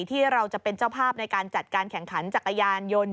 ที่เราจะเป็นเจ้าภาพในการจัดการแข่งขันจักรยานยนต์